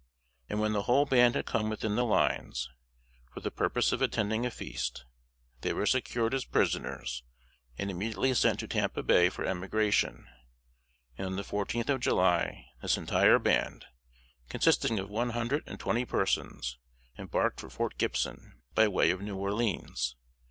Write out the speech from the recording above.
And when the whole band had come within the lines, for the purpose of attending a feast, they were secured as prisoners, and immediately sent to Tampa Bay for emigration; and, on the fourteenth of July, this entire band, consisting of one hundred and twenty persons, embarked for Fort Gibson, by way of New Orleans.